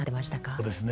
そうですね。